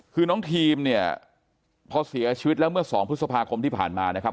คือน้องทีมเนี่ยพอเสียชีวิตแล้วเมื่อสองพฤษภาคมที่ผ่านมานะครับ